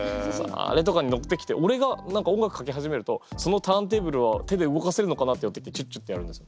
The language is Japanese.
あれとかに乗ってきておれが音楽かけ始めるとそのターンテーブルは手で動かせるのかな？ってやって来てチュッチュッてやるんですよ。